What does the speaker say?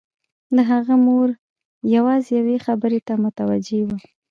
د هغه مور يوازې يوې خبرې ته متوجه وه.